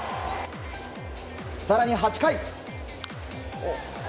更に８回。